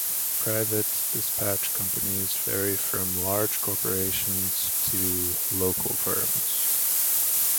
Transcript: Private dispatch companies vary from large corporations to local firms.